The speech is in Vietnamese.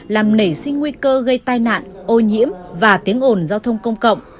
làm nảy sinh nguy cơ gây tai nạn ô nhiễm và tiếng ồn giao thông công cộng